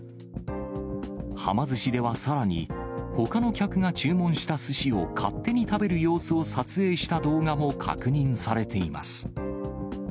はま寿司ではさらに、ほかの客が注文したすしを勝手に食べる様子を撮影した動画も確認されています。